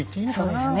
そうですね。